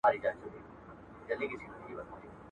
د واده په شپه اصول او ضوابط ويل ولي پکار نه دي؟